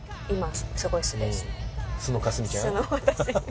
今。